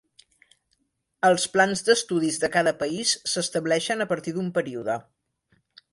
Els plans d'estudis de cada país s'estableixen a partir d'un període.